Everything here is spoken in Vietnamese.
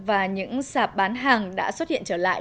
và những sạp bán hàng đã xuất hiện trở lại